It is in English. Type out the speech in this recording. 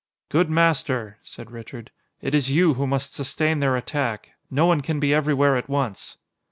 "Good Master," said Richard, "it is you who must sustain their attack. No one can be everywhere at once."